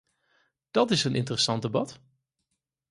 Dat is een interessant debat.